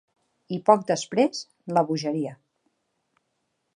I poc després, la bogeria.